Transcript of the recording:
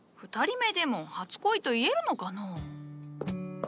２人目でも初恋と言えるのかのう？